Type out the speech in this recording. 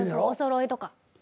おそろいとか。